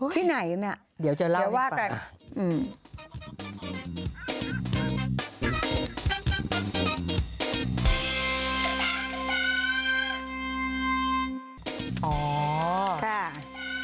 ที่ไหนน่ะเดี๋ยวจะเล่าให้ฟังอืมเดี๋ยวจะเล่าให้ฟัง